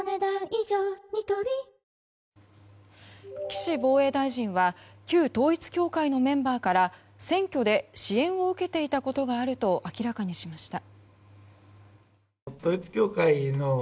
岸防衛大臣は旧統一教会のメンバーから選挙で支援を受けていたことがあると明らかにしました。